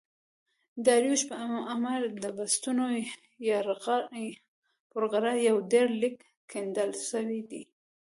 داریوش په امر د بستون پر غره یو ډبر لیک کیندل سوی دﺉ.